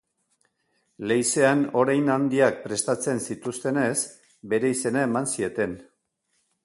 Leizean orein handiak prestatzen zituztenez, bere izena eman zieten.